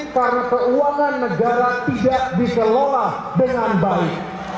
karena keuangan negara tidak bisa lelah dengan baik